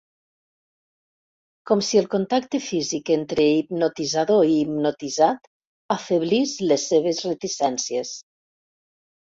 Com si el contacte físic entre hipnotitzador i hipnotitzat afeblís les seves reticències.